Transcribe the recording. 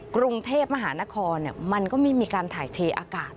กรุงเทพมหานครมันก็ไม่มีการถ่ายเทอากาศ